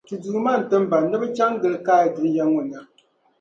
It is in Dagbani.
Ti Duuma n-tim ba ni bɛ cham’ gili kaai dunia ŋɔ nya.